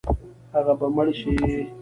هغه به مړ شي.